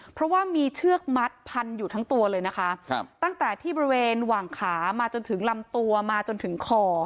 เพราะว่ามีเชือกมัดพันอยู่ทั้งตัวเลยนะคะครับตั้งแต่ที่บริเวณหว่างขามาจนถึงลำตัวมาจนถึงคอ